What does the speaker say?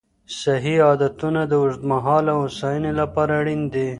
صحي عادتونه د اوږدمهاله هوساینې لپاره اړین دي.